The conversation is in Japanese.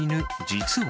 実は。